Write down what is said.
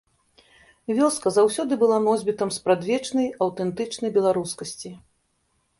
Вёска заўсёды была носьбітам спрадвечнай, аўтэнтычнай беларускасці.